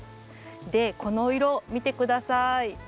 でこの色見て下さい。